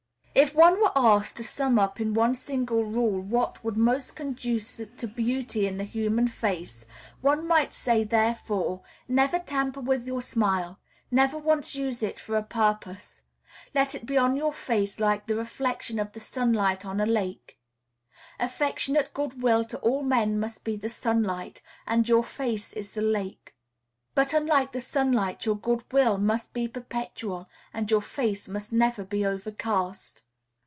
If one were asked to sum up in one single rule what would most conduce to beauty in the human face, one might say therefore, "Never tamper with your smile; never once use it for a purpose. Let it be on your face like the reflection of the sunlight on a lake. Affectionate good will to all men must be the sunlight, and your face is the lake. But, unlike the sunlight, your good will must be perpetual, and your face must never be overcast."